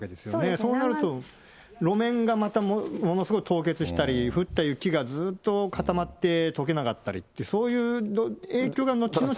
そうなると、路面がまたものすごい凍結したり、降った雪がずっと固まってとけなかったりって、そういう影響が後々。